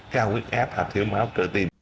cao quyết áp hạt thiếu máu cơ tim